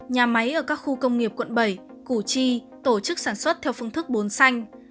nhà máy ở các khu công nghiệp quận bảy củ chi tổ chức sản xuất theo phương thức bốn xanh